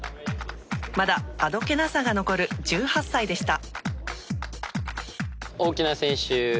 まだあどけなさが残る１８歳でした。